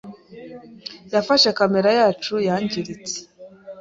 yafashe kamere yacu yangiritse.